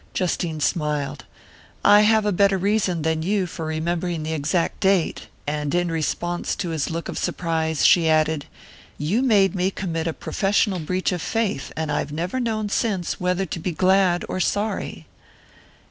Justine smiled. "I have a better reason than you for remembering the exact date;" and in response to his look of surprise she added: "You made me commit a professional breach of faith, and I've never known since whether to be glad or sorry."